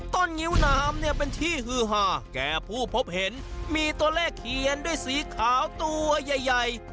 งิ้วน้ำเนี่ยเป็นที่ฮือหาแก่ผู้พบเห็นมีตัวเลขเขียนด้วยสีขาวตัวใหญ่ใหญ่